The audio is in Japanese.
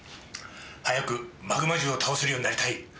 早くマグマ獣を倒せるようになりたい。